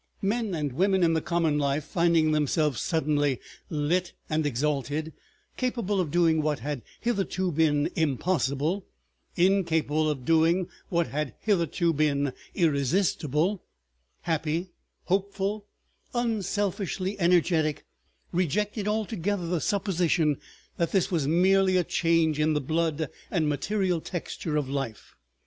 Men and women in the common life, finding themselves suddenly lit and exalted, capable of doing what had hitherto been impossible, incapable of doing what had hitherto been irresistible, happy, hopeful, unselfishly energetic, rejected altogether the supposition that this was merely a change in the blood and material texture of life.